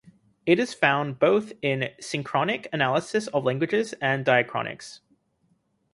It is found both in synchronic analysis of languages and diachronics.